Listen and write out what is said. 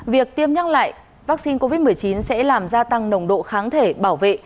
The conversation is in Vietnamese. việc tiêm nhắc lại vaccine covid một mươi chín sẽ làm gia tăng nồng độ kháng thể bảo vệ